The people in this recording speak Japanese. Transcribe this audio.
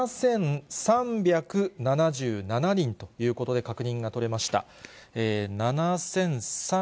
７３７７人ということで確認が取れました。